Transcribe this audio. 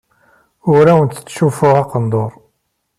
Ur awent-ttcuffuɣ aqendur.